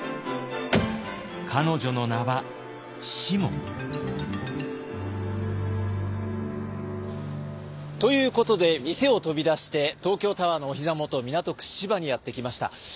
彼女の名は「しも」。ということで店を飛び出して東京タワーのおひざ元港区芝にやって来ました。